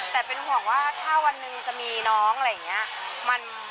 แต่เป็นห่วงว่าถ้าวันหนึ่งจะมีน้องอะไรอย่างนี้